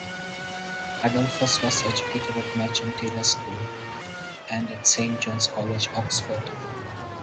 Adolphus was educated at Merchant Taylors' School and at Saint John's College, Oxford.